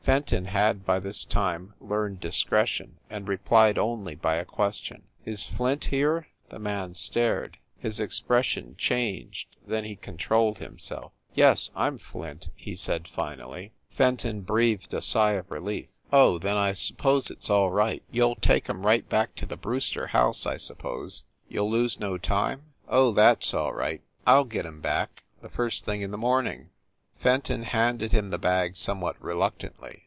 Fenton had, by this time, learned discretion, and replied only by a question. "Is Flint here ?" The man stared; his expression changed, then he controlled himself. "Yes, I m Flint," he said finally. THE NORCROSS APARTMENTS 261 Fenton breathed a sigh of relief. "Oh, then, I suppose it s all right. You ll take em right back to the Brewster house, I suppose? You ll lose no time?" "Oh, that s all right, I ll get em back, the first thing in the morning." Fenton handed him the bag somewhat reluctantly.